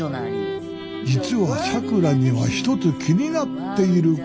実はさくらには一つ気になっていることがありました